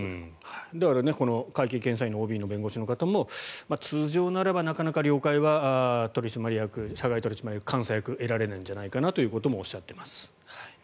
だからこの会計検査院のＯＢの方も通常ならばなかなか了解は社外取締役、監査役から得られないんじゃないかなということもおっしゃっています。